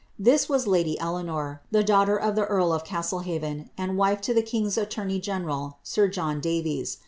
This wa^ lady Eleanor, the daugi)ter of the earl of Casileliaven, and wife to the king's attorney general, sir John Davys.